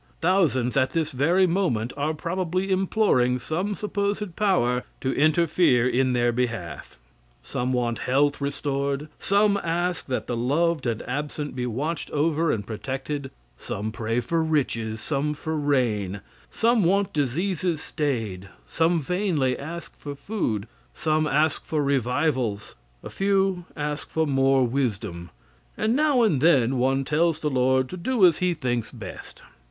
Thousands, at this very moment, are probably imploring some supposed power to interfere in their behalf. Some want health restored; some ask that the loved and absent be watched over and protected, some pray for riches, some for rain, some want diseases stayed, some vainly ask for food, some ask for revivals, a few ask for more wisdom, and now and then one tells the Lord to do as he thinks best.